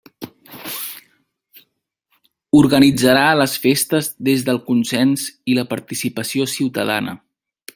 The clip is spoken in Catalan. Organitzarà les festes des del consens i la participació ciutadana.